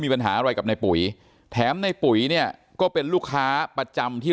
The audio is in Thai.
ปัญหาอะไรกับในปุ๋ยแถมในปุ๋ยเนี่ยก็เป็นลูกค้าประจำที่